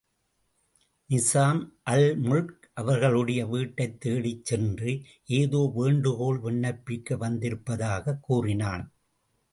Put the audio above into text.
நிசாம் அல்முல்க் அவர்களுடைய வீட்டைத்தேடிச் சென்று, ஏதோ வேண்டுகோள் விண்ணப்பிக்க வந்திருப்பதாகக் கூறினான்.